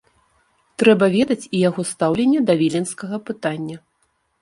Трэба ведаць і яго стаўленне да віленскага пытання.